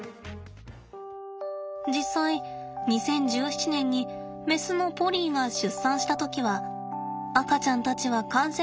実際２０１７年にメスのポリーが出産した時は赤ちゃんたちは感染症にかかり命を落としてしまいました。